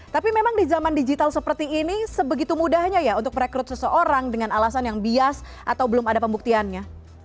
tapi memang di zaman digital seperti ini sebegitu mudahnya ya untuk merekrut seseorang dengan alasan yang bias atau belum ada pembuktiannya